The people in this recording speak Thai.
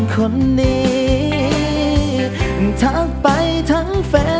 ค่าวของครับ